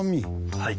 はい。